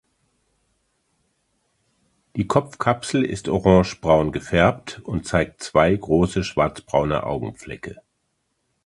Die Kopfkapsel ist orange braun gefärbt und zeigt zwei große schwarzbraune Augenflecke.